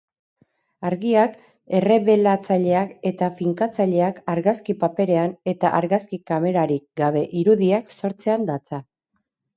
Argiak, errebelatzaileak eta finkatzaileak argazki-paperean eta argazki-kamerarik gabe irudiak sortzean datza.